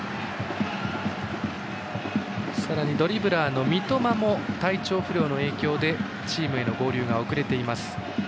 ドリブラーの三笘も体調不良の影響でチームへの合流が遅れています。